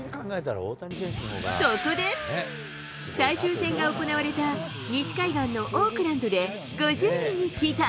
そこで、最終戦が行われた西海岸のオークランドで５０人に聞いた。